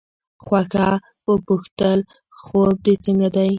خوښه وپوښتل خوب دې څنګه دی.